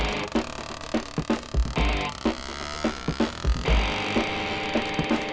ih kemarahan gudeg ya